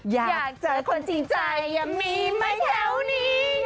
อยากเจอคนจริงใจยังมีไหมแถวนี้